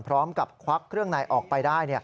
พร้อมกับควักเครื่องในออกไปได้